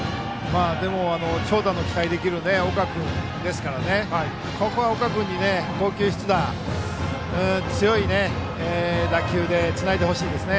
でも、長打の期待できる岡君ですからここは岡君に強い打球でつないでほしいです。